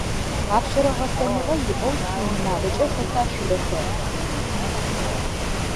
Апшъэрэ гъэсэныгъэ иӏэу шъуиунагъокӏэ хэта шъуиӏэхэр?